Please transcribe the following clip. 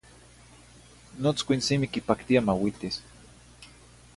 Notzcuin simi quipactia mauiltis.